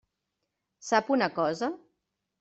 Sap una cosa?